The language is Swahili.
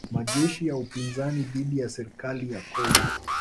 Majeshi ya upinzani dhidi ya serikali ya Kongo